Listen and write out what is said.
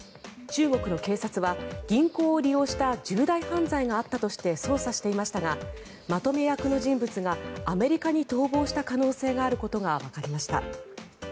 中国の警察は、銀行を利用した重大犯罪があったとして捜査していましたがまとめ役の人物がアメリカに逃亡した可能性があることがわかりました。